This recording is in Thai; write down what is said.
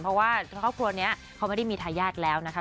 เพราะว่าครอบครัวนี้เขาไม่ได้มีทายาทแล้วนะคะ